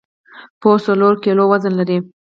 پوست څلور کیلو وزن لري.